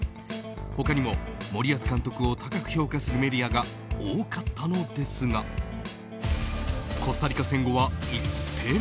他にも森保監督を高く評価するメディアが多かったのですがコスタリカ戦後は一変。